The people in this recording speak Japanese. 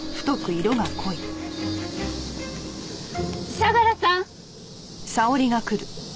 相良さん！